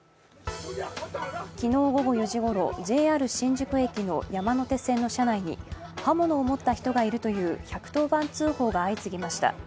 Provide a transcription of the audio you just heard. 昨日午後４時ごろ、ＪＲ新宿駅の山手線の車内に刃物を持った人がいるという１１０番通報が相次ぎました。